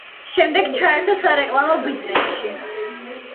შემდეგ ჩაერთო სარეკლამო ბიზნესში.